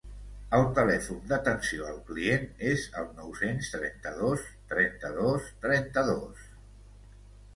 El telèfon d'atenció al client és el nou-cents trenta-dos trenta-dos trenta-dos.